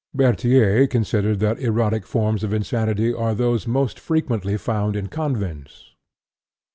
" Berthier considered that erotic forms of insanity are those most frequently found in convents.